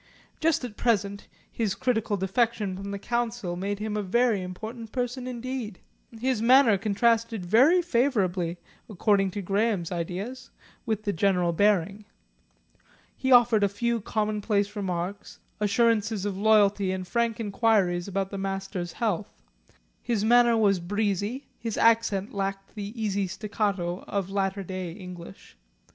Just at present his critical defection from the Council made him a very important person indeed. His manner contrasted very favourably, according to Graham's ideas, with the general bearing. He offered a few commonplace remarks, assurances of loyalty and frank inquiries about the Master's health. His manner was breezy, his accent lacked the easy staccato of latter day English.